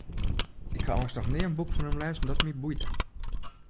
Ik ha eins noch nea in boek fan him lêzen dat my boeide.